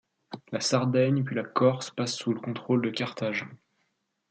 La Sardaigne, puis la Corse, passent sous le contrôle de Carthage.